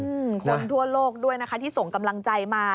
คนทั่วโลกด้วยนะคะที่ส่งกำลังใจมา